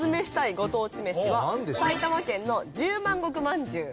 ご当地めしは埼玉県の十万石まんじゅう。